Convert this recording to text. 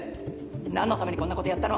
何のためにこんなことやったの？